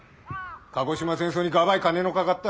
鹿児島ん戦争にがばい金のかかった。